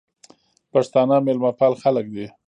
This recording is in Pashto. پښتانه مېلمپال خلک دي.